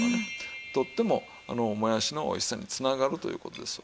とってももやしのおいしさにつながるという事ですわ。